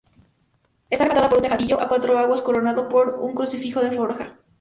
Está rematada por un tejadillo a cuatro aguas, coronado por un crucifijo de forja.